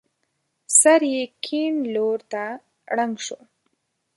سر يې کيڼ لور ته ړنګ شو.